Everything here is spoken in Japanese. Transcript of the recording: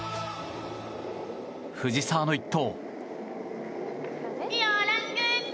藤澤の一投。